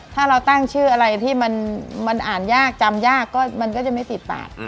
ถ้าเราตั้งชื่ออะไรที่มันอ่านยากจำยากก็มันก็จะไม่ติดปาก